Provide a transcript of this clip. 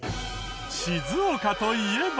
静岡といえば。